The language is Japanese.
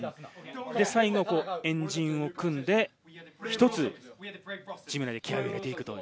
最後、円陣を組んで１つチーム内で気合を入れていく。